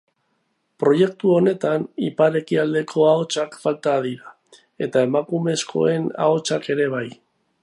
Proiektu honetan ipar-ekialdeko ahotsak falta dira, eta emakumezkoen ahotsak ere bai.